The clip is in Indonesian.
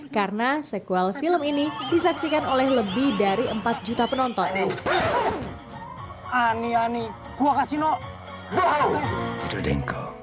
karena sekuel film ini disaksikan oleh lebih dari empat juta penonton